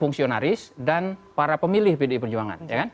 fungsionaris dan para pemilih pdi perjuangan